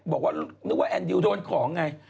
บอกว่านึกว่าแอนดิวโดนของไง